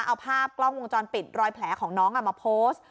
เอาภาพกล้องวงจรปิดรอยแผลของน้องมาโพสต์